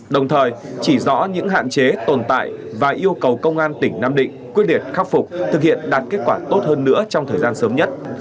đồng thời chỉ rõ những hạn chế tồn tại và yêu cầu công an tỉnh nam định quyết liệt khắc phục thực hiện đạt kết quả tốt hơn nữa trong thời gian sớm nhất